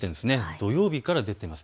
土曜日から出ています。